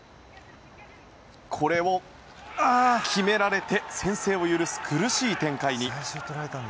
これを決められて先制を許す苦しい展開に。